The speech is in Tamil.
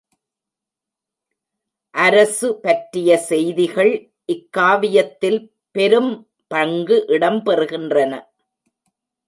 அரசு பற்றிய செய்திகள் இக்காவியத்தில் பெரும்பங்கு இடம் பெறுகின்றன.